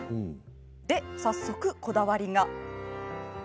で、早速、こだわりが。